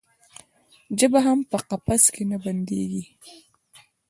ژبه هم په قفس کې نه بندیږي.